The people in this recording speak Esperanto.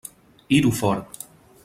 Iru for!